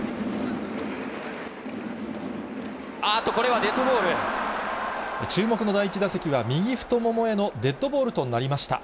あーっと、これはデッドボー注目の第１打席は右太ももへのデッドボールとなりました。